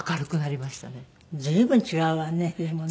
随分違うわねでもね。